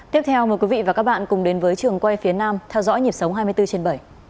tiếp theo mời quý vị và các bạn cùng đến với trường quay phía nam theo dõi nhịp sống hai mươi bốn trên bảy